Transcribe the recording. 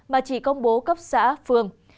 mà chỉ công bố cấp xã phường